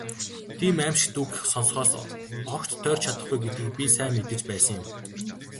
Тийм «аймшигт» үг сонсохоос огт тойрч чадахгүй гэдгийг би сайн мэдэж байсан юм.